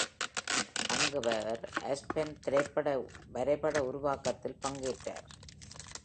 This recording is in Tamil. அங்கு அவர் Aspen திரைப்பட வரைபட உருவாக்கத்தில் பங்கேற்றார்.